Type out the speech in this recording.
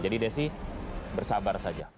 jadi desi bersabar saja